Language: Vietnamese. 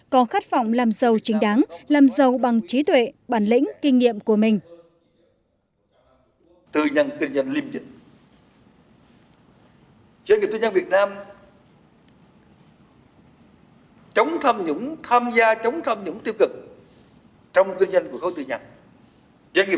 có khát vọng làm giàu chính đáng làm giàu bằng trí tuệ bản lĩnh kinh nghiệm của mình